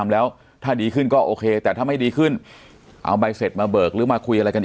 แล้วถ้าดีขึ้นก็โอเคแต่ถ้าไม่ดีขึ้นเอาใบเสร็จมาเบิกหรือมาคุยอะไรกัน